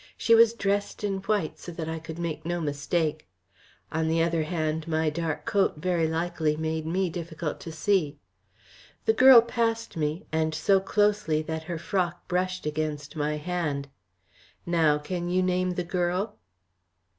She was dressed in white, so that I could make no mistake. On the other hand, my dark coat very likely made me difficult to see. The girl passed me, and so closely that her frock brushed against my hand. Now, can you name the girl?"